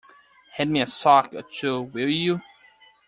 Hand me a sock or two, will you?